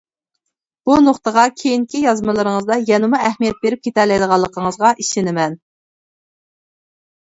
بۇ نۇقتىغا كېيىنكى يازمىلىرىڭىزدا يەنىمۇ ئەھمىيەت بېرىپ كېتەلەيدىغانلىقىڭىزغا ئىشىنىمەن.